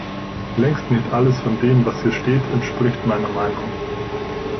Längst nicht alles von dem, was hier steht, entspricht meiner Meinung.